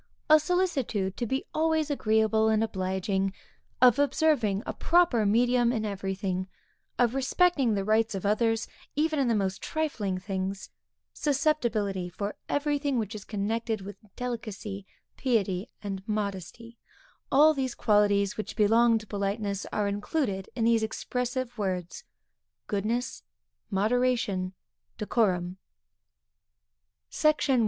A solicitude to be always agreeable and obliging; of observing a proper medium in everything; of respecting the rights of others, even in the most trifling things; susceptibility for every thing which is connected with delicacy, piety, and modesty all these qualities which belong to politeness, are included in these expressive words; goodness, moderation, decorum. SECTION I.